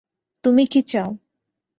তুমি কী চাও।